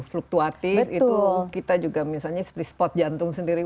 fluktuatif itu kita juga misalnya seperti spot jantung sendiri